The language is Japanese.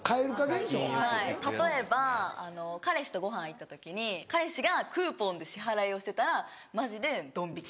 例えば彼氏とご飯行った時に彼氏がクーポンで支払いをしてたらマジでドン引き。